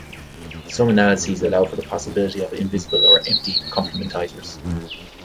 Some analyses allow for the possibility of invisible or "empty" complementizers.